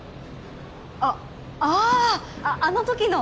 あっあああの時の？